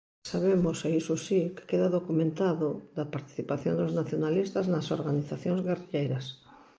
Sabemos, e iso si que queda documentado, da participación dos nacionalistas nas organizacións guerrilleiras.